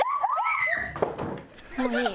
もういい。